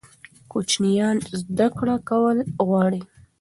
کوچنیان زده کړه کول غواړي.